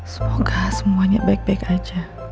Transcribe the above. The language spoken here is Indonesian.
semoga semuanya baik baik aja